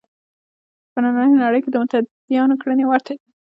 په نننۍ نړۍ کې د متدینانو کړنې ورته دي.